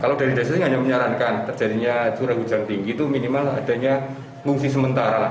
kalau dari desa saya hanya menyarankan terjadinya curah hujan tinggi itu minimal adanya fungsi sementara lah